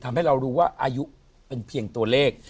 ทำให้เรารู้ว่าอายุเป็นเพียงตัวเลข